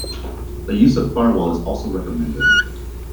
The use of a firewall is also recommended.